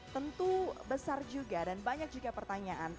tentu besar juga dan banyak juga pertanyaan